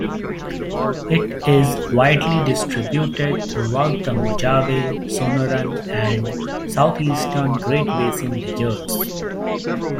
It is widely distributed throughout the Mojave, Sonoran, and southeastern Great Basin deserts.